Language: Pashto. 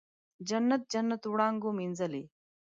جنت، جنت وړانګو مینځلې